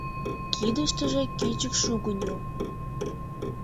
Кидыштыже кӱчык шугыньо.